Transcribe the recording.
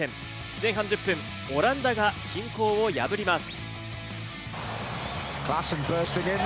前半１０分、オランダが均衡を破ります。